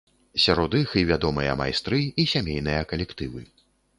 Сярод іх і вядомыя майстры, і сямейныя калектывы.